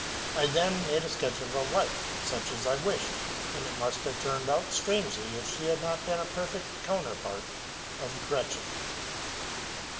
'' J then made a sketch of a wife, such as I wished; and it must have turned out strangely if she had not been a perfect counterpart of Gretchen.